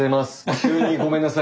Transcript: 急にごめんなさい。